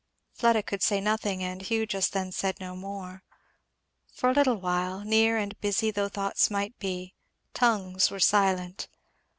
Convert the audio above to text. Fleda could say nothing, and Hugh just then said no more. For a little while, near and busy as thoughts might be, tongues were silent.